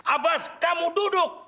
abbas kamu duduk